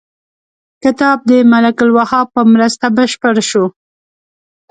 کتاب د ملک الوهاب په مرسته بشپړ شو.